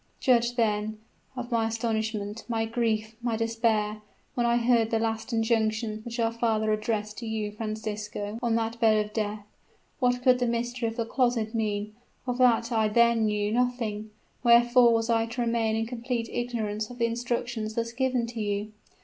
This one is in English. Judge, then, of my astonishment my grief my despair, when I heard the last injunctions which our father addressed to you, Francisco, on that bed of death. What could the mystery of the closet mean? Of that I then knew nothing. Wherefore was I to remain in complete ignorance of the instructions thus given to you?